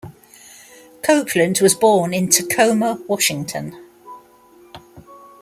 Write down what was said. Copeland was born in Tacoma, Washington.